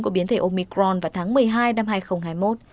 của biến thể omicron vào tháng một mươi hai năm hai nghìn hai mươi một